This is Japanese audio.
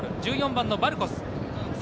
１４番のヴァルコス。